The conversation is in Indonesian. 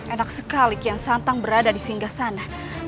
enak sekali kian santang berada di singgah sana